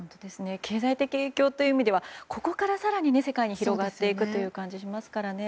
経済的影響という意味ではここから更に世界に広がっていく感じがしますからね。